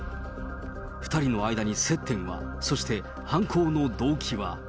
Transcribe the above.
２人の間に接点は、そして犯行の動機は。